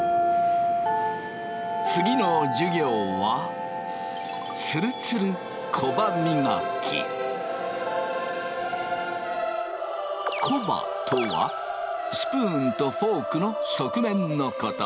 次の授業はコバとはスプーンとフォークの側面のこと。